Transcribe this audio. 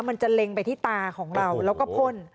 มันจะเล็งไปที่ตาของเราแล้วก็พ่น